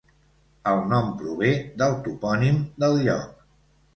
El nom prové del topònim del lloc.